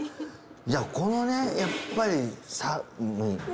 いやこのねやっぱり。